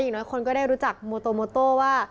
อย่างน้อยคนก็ได้รู้จักโมโตโมโต้ว่า